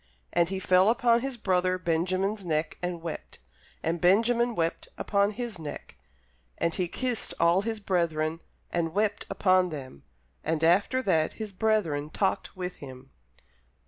And he fell upon his brother Benjamin's neck, and wept; and Benjamin wept upon his neck. And he kissed all his brethren, and wept upon them; and after that his brethren talked with him.